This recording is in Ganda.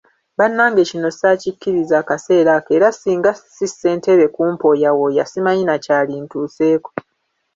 Bannange kino ssaakikkiriza akaseera ako era singa ssi Ssentebe kumpooyawooya simanyi na kyalintuuseeko.